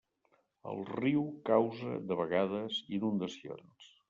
El riu causa de vegades inundacions.